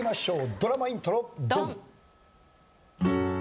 ドラマイントロドン！